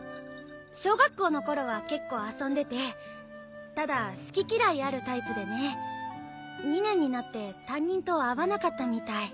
小学校のころは結構遊んでてただ好き嫌いあるタイプでね２年になって担任と合わなかったみたい。